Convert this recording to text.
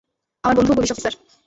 আমার বন্ধুও police officer.